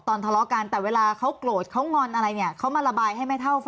ตอนทะเลาะกันแต่เวลาเขากลดเขางอนอะไรเนี่ย